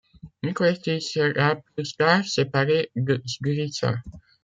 Nicoreşti sera plus tard séparée de Zguriţa.